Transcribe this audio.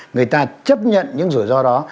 người ta chấp nhận những rủi ro đó